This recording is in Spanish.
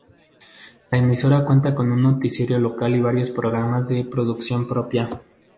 La emisora cuenta con un noticiero local y varios programas de producción propia.